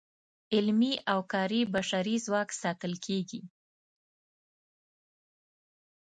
علمي او کاري بشري ځواک ساتل کیږي.